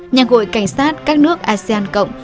nhà khội cảnh sát các nước asean cộng